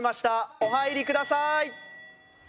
お入りください！